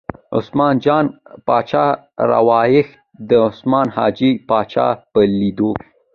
عثمان جان باچا راواوښت، د عثمان جان باچا په لیدو.